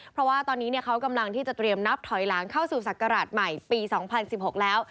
เพราะว่าตอนนี้เขากำลังที่จะเตรียมนับถอยหลังเข้าสู่ศักราชใหม่ปี๒๐๑๖แล้ว